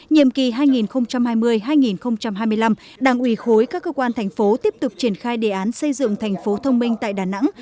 nhiệm kỳ hai nghìn hai mươi hai nghìn hai mươi năm đảng ủy khối các cơ quan thành phố tiếp tục triển khai đề án xây dựng thành phố thông minh tại đà nẵng